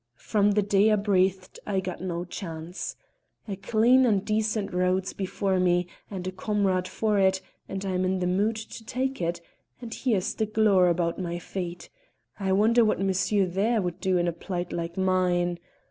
"From the day I breathed I got no chance. A clean and decent road's before me and a comrade for it, and I'm in the mood to take it, and here's the glaur about my feet! I wonder what monsieur there would do in a plight like mine.